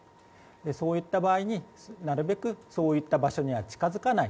そういった場合になるべくそういった場所には近づかない。